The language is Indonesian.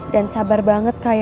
dan sabar banget untuk mencari lo